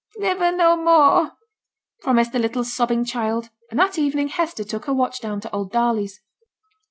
'Niver no more!' promised the little sobbing child. And that evening Hester took her watch down to old Darley's.